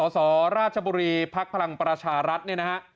สสราชบุรีภักดิ์พลังประชารัฐเนี่ยนะฮะ